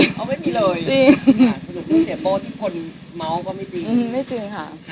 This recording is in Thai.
สมมุติเสฟโบที่คนเมา้าก็ไม่จริง